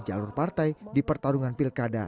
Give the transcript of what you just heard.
jalur partai di pertarungan pilkada